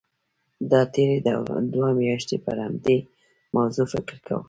دا تېرې دوه میاشتې پر همدې موضوع فکر کوم.